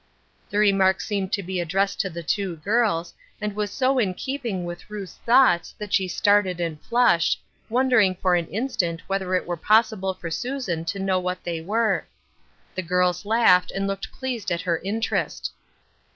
The remark seemed to be addressed to the two girls, and was so in keeping with Ruth's thoughts that she started and flushed, wonder ing for an instant whether it were possible for Susan to know what they were. The girls laughed, and looked pleased at her interest.